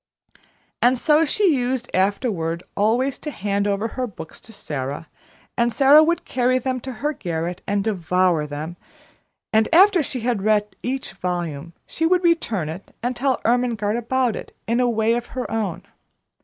And so she used afterward always to hand over her books to Sara, and Sara would carry them to her garret and devour them; and after she had read each volume, she would return it and tell Ermengarde about it in a way of her own.